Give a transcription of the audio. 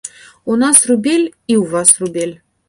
У нас рубель, і ў вас рубель!